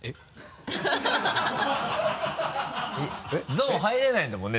ゾーン入れないんだもんね？